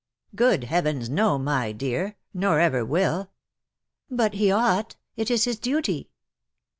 " Good heavens, no, my dear— nor ever will." " But he ought — it is his duty."